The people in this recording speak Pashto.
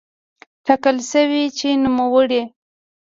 ټاکل شوې چې نوموړی